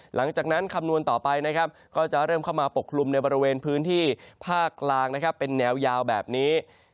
หลังจากนั้นคำนวณต่อไปนะครับก็จะเริ่มเข้ามาปกกลุ่มในบริเวณพื้นที่ภาคลางเป็นแนวยาวแบบนี้